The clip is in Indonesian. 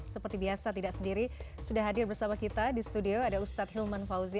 seperti biasa tidak sendiri sudah hadir bersama kita di studio ada ustadz hilman fauzi